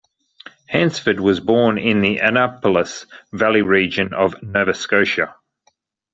Hansford was born in the Annapolis Valley region of Nova Scotia.